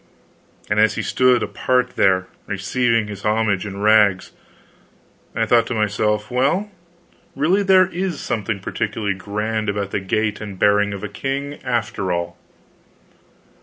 And as he stood apart there, receiving this homage in rags, I thought to myself, well, really there is something peculiarly grand about the gait and bearing of a king, after all.